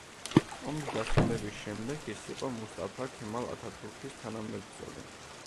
ომის დასრულების შემდეგ ის იყო მუსტაფა ქემალ ათათურქის თანამებრძოლი.